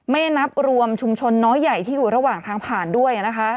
ไม่นับรวมชุมชนน้อยใหญ่ที่อยู่ระหว่างทางผ่านด้วยนะคะ